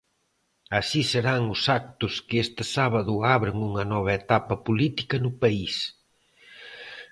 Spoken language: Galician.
Así serán os actos que este sábado abren unha nova etapa política no país.